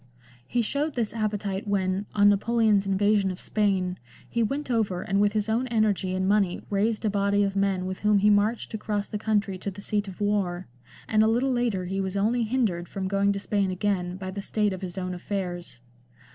He showed this appetite when, on Napoleon's invasion of Spain, he went over and with his own energy and money raised a body of men with whom he marched across the country to the seat of war ; and a little later he was only hindered from going to Spain again by the state of his own affairs.